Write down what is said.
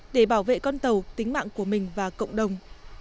để bảo vệ con tàu tính mạng của mình và cộng đồng